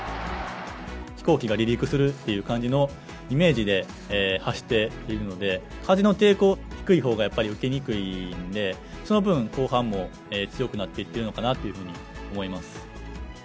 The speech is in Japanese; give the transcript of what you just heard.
飛行機が離陸するって感じのイメージで走っているので、風の抵抗が低いほうがやっぱり受けにくいんで、その分、後半も強くなっていっているのかなというふうに思います。